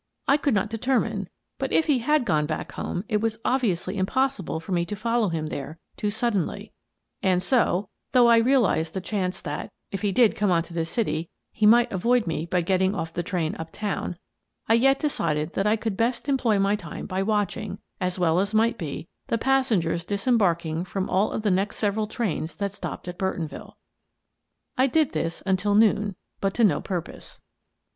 I could not determine, but if he had gone back home it was obviously impossible for me to follow him there too suddenly, and so — though I realized the chance that, if he did come on to the city, he might avoid me by getting off the train up town — I yet decided that I could best employ my time by watching, as well as might be, the passengers disembarking from all of the next several trains that stopped at Burtonville. I did this until noon, but to no purpose.